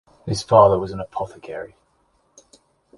His father was an apothecary.